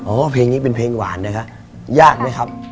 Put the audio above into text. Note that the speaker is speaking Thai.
เพลงนี้เป็นเพลงหวานนะครับยากไหมครับ